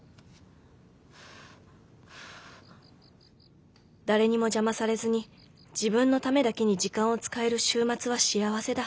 心の声誰にも邪魔されずに自分のためだけに時間を使える週末は幸せだ。